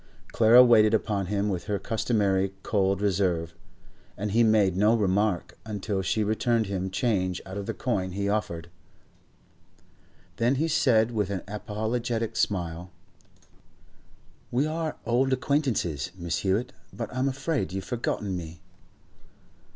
Clara waited upon him with her customary cold reserve, and he made no remark until she returned him change out of the coin he offered. Then he said with an apologetic smile: 'We are old acquaintances, Miss Hewett, but I'm afraid you've forgotten me.